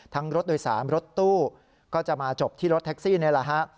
รถโดยสารรถตู้ก็จะมาจบที่รถแท็กซี่นี่แหละฮะ